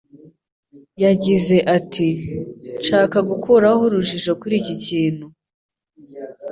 Yagize ati “Nshaka gukuraho urujijo kuri iki kintu